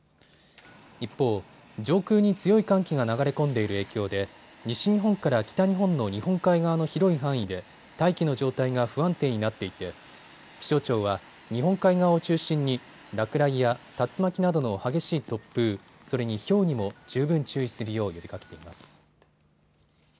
一方、上空に強い寒気が流れ込んでいる影響で西日本から北日本の日本海側の広い範囲で大気の状態が不安定になっていて気象庁は日本海側を中心に落雷や竜巻などの激しい突風、それにひょうにも十分注意するよう呼びかけています。